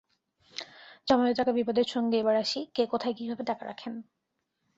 জমানো টাকা বিপদের সঙ্গী এবার আসি, কে কোথায় কীভাবে টাকা রাখেন।